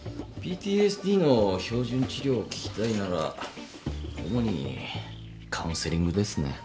ＰＴＳＤの標準治療を聞きたいなら主にカウンセリングですね。